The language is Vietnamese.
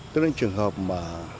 thế nên trường hợp mà